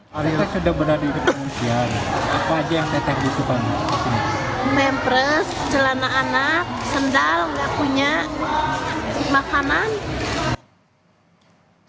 pada saat ini warga di pengungsian mengaku membutuhkan perlengkapan bayi dan makanan anak balita